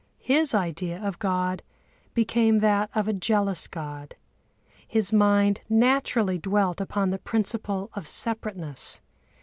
His idea of God became that of a jealous God. His mind naturally dwelt upon the principle of separateness.